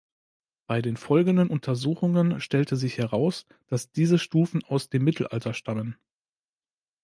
Bei den folgenden Untersuchungen stellte sich heraus, dass diese Stufen aus dem Mittelalter stammen.